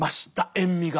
塩味が。